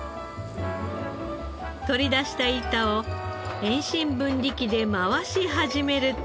取り出した板を遠心分離機で回し始めると。